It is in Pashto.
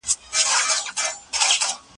هغه نوي کسان چي فارغېږي، بايد کار ته جذب سي.